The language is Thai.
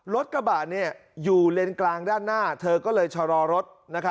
รถกระบะอยู่เลนกลางด้านหน้าเธอก็เลยชะลอรถ